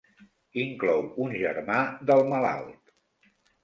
Inclou un germà del malalt.